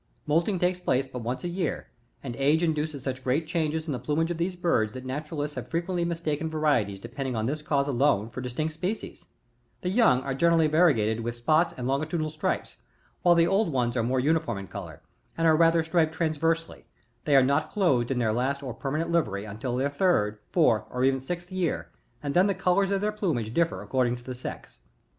Moulting takes place but once a year, and age induces such great change in the plumage of these birds, that naturalists have frequently mistaken varieties depending on this cause alone, for distinct species ; the young are generally variegated with spots and longitudinal stripes, while the old ones are more uniform in colour, and are rather striped transversely; they are not clothed in their last or permanent livery untU their third? fourth, or even sixth year, and then the colours of their plumage differ according to the sex.